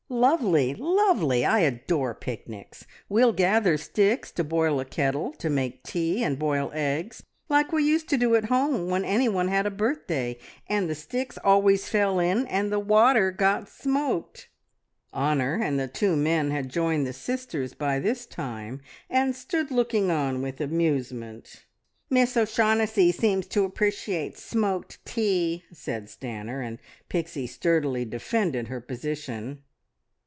"Lovely! Lovely! I adore picnics! We'll gather, sticks to boil a kettle, to make tea, and boil eggs, like we used to do at home when any one had a birthday. And the sticks always fell in, and the water got smoked!" Honor and the two men had joined the sisters by this time, and stood looking on with amusement. "Miss O'Shaughnessy seems to appreciate smoked tea," said Stanor, and Pixie sturdily defended her position.